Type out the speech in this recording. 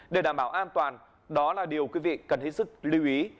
để đảm bảo an toàn đó là điều quý vị cần hết sức lưu ý